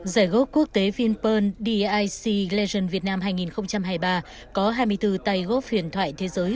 giải góp quốc tế vinpeng dic legends việt nam hai nghìn hai mươi ba có hai mươi bốn tay góp huyền thoại thế giới